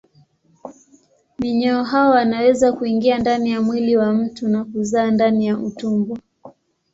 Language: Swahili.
Minyoo hao wanaweza kuingia ndani ya mwili wa mtu na kuzaa ndani ya utumbo.